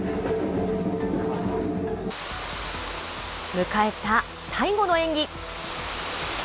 迎えた最後の演技。